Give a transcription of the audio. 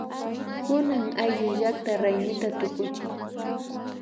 Kunan ayllullakta raymita tukuchin